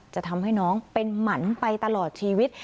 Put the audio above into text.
จะทำให้น้องเป็นหมันไปตลอดชีวิต